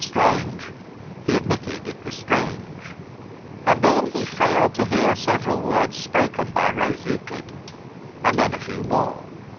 Strange! He admitted it was strange. And then he failed to hear several words spoken by Rose Euclid. And then a few more.